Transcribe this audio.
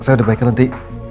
saya udah baik nanti